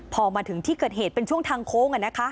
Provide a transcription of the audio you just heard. พอมาถึงที่เกิดเหตุเป็นช่วงทางโค้ง